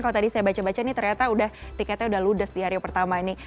kalau tadi saya baca baca ini ternyata tiketnya udah ludes di hari pertama ini